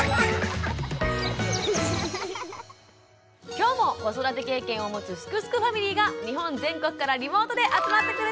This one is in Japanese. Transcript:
今日も子育て経験を持つ「すくすくファミリー」が日本全国からリモートで集まってくれています！